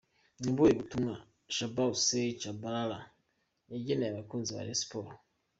Ni ubuhe butumwa Shaban Hussein Tchabalala yageneye abakunzi ba Rayon Sports?.